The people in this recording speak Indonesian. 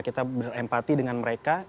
kita berempati dengan mereka